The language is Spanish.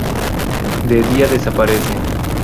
De día desaparece.